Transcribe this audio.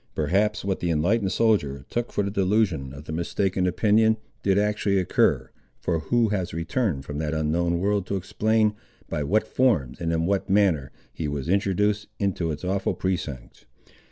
Perhaps what the enlightened soldier took for the delusion of mistaken opinion did actually occur, for who has returned from that unknown world to explain by what forms, and in what manner, he was introduced into its awful precincts?